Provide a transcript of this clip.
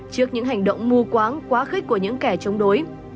trước những hành động mù quáng quá khích của những kẻ chống đối